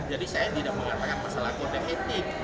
jadi saya tidak mengatakan masalah kode etik